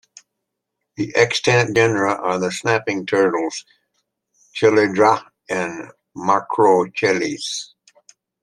The extant genera are the snapping turtles "Chelydra" and "Macrochelys".